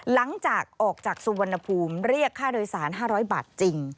หลังจากออกจากสุวรรณภูมิเรียกค่าโดยสาร๕๐๐บาทจริง